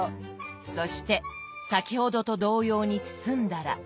そして先ほどと同様に包んだら。